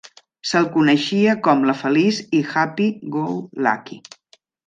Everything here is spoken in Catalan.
Se'l coneixia com La Feliç i Happy Go Lucky.